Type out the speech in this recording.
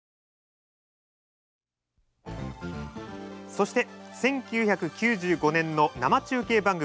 そして１９９５年の生中継番組。